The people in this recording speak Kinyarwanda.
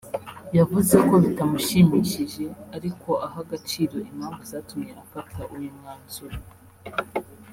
yavuze ko bitamushimishije ariko aha agaciro impamvu zatumye afata uyu mwanzuro